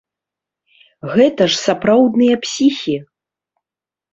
Гэта ж сапраўдныя псіхі!